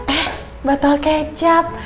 eh batal kecap